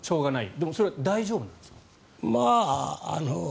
でもそれは大丈夫なんですか？